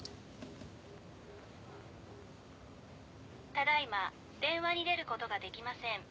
「ただ今電話に出る事ができません」